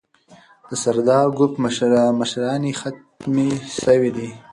د سردارو ګروپ مشراني ختمه سوې ده.